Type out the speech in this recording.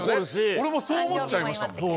俺もそう思っちゃいましたもん。